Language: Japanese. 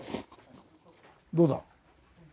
どうだ？